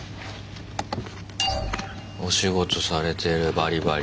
お仕事されてるバリバリ。